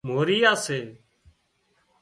موريا سي